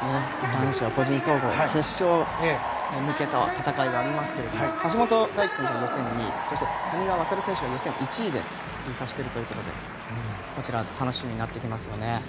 男子は個人総合決勝に向けた戦いがありますが橋本大輝選手は予選２位そして谷川航選手が予選１位で通過しているということでこちらも楽しみになってきますね。